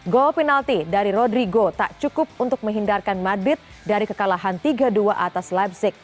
gol penalti dari rodrigo tak cukup untuk menghindarkan madrid dari kekalahan tiga dua atas lepsic